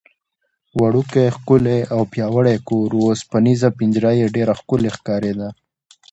وړوکی، ښکلی او پیاوړی کور و، اوسپنېزه پنجره یې ډېره ښکلې ښکارېده.